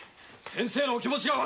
先生のお気持が。